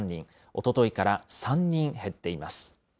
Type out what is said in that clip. おとといから３人減っています。